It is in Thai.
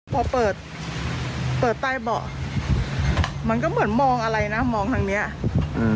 พอเปิดเปิดใต้เบาะมันก็เหมือนมองอะไรนะมองทางเนี้ยอืม